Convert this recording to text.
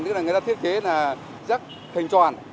người ta thiết kế là xe hình tròn